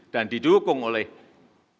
dan didukung oleh ekosistem ekonomi yang kondusif